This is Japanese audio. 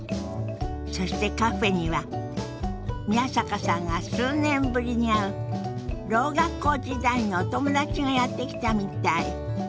そしてカフェには宮坂さんが数年ぶりに会うろう学校時代のお友達がやって来たみたい。